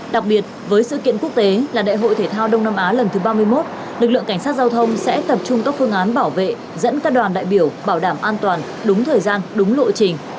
đặc biệt với sự kiện quốc tế là đại hội thể thao đông nam á lần thứ ba mươi một lực lượng cảnh sát giao thông sẽ tập trung các phương án bảo vệ dẫn các đoàn đại biểu bảo đảm an toàn đúng thời gian đúng lộ trình